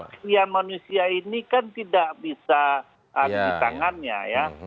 kepastian manusia ini kan tidak bisa di tangannya ya